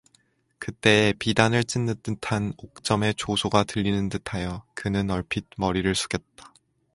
그때에 비단을 찢는 듯한 옥점의 조소가 들리는 듯하여 그는 얼핏 머리를 숙였다.